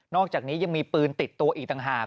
อกจากนี้ยังมีปืนติดตัวอีกต่างหาก